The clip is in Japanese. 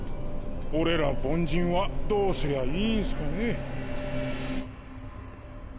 俺ら凡人はどうすりゃいいんすかね。